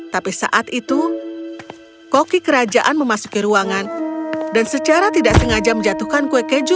tapi saat itu koki kerajaan memasuki ruangan dan secara tidak sengaja menjatuhkan kue keju